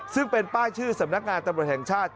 ซึ่งเป็นป้ายชื่อสำนักงานตำรวจแห่งชาติ